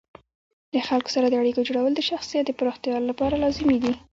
د خلکو سره د اړیکو جوړول د شخصیت د پراختیا لپاره لازمي دي.